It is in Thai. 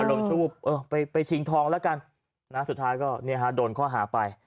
อารมณ์ชูบไปชิงทองแล้วกันสุดท้ายก็เนี่ยฮะโดนข้อหาไป